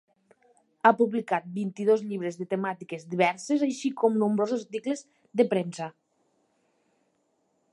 Ha publicat vint-i-dos llibres de temàtiques diverses així com nombrosos articles de premsa.